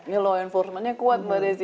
ya loh informannya kuat mbak desi